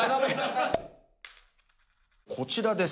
こちらです。